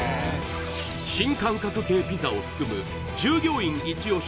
新感覚系ピザを含む従業員イチ押し